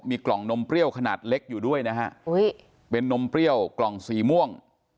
มีกล่องนมเปรี้ยวขนาดเล็กอยู่ด้วยนะฮะเป็นนมเปรี้ยวกล่องสีม่วง